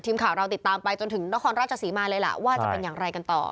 ทีมข่าวเราติดตามไปจนถึงนครราชศรีมาเลยล่ะว่าจะเป็นอย่างไรกันต่อ